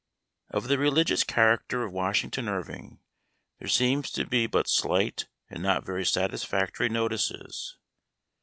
OF the religious character of Washington Irving there seems to be but slight and not very satisfactory notices.